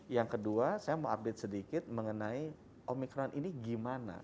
yang kedua saya mau update sedikit mengenai omikron ini gimana